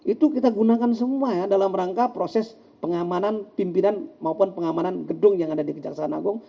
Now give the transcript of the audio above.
itu kita gunakan semua ya dalam rangka proses pengamanan pimpinan maupun pengamanan gedung yang ada di kejaksaan agung